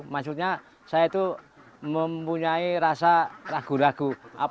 maksudnya saya itu mempunyai rasa ragu ragu